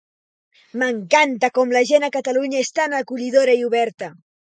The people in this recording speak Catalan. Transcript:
M'encanta com la gent a Catalunya és tan acollidora i oberta.